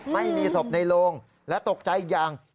ไม่มีศพในโลงและตกใจอีกอย่าง